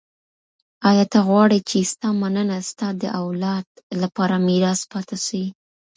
ایا ته غواړې چي ستا مننه ستا د اولاد لپاره میراث پاته سي؟